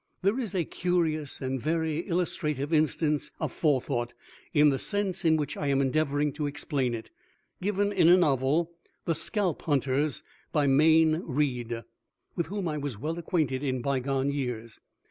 There is a curious and very illustrative instance of Forethought in the sense in which I am endeavoring to explain it, given in a novel, the "Scalp Hunters," by MAYNE REID, with whom I was well acquainted in bygone years.